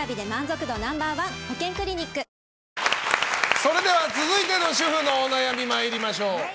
それでは続いての主婦のお悩みに参りましょう。